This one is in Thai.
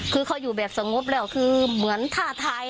ที่เขาอยู่อยู่แบบสงขบแล้วคือเหมือนท่าท้าย